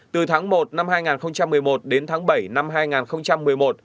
từ tháng một năm hai nghìn một mươi một đến tháng bảy năm hai nghìn một mươi một